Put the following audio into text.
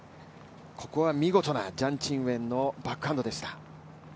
ここは見事なジャン・チンウェンのバックハンドでした。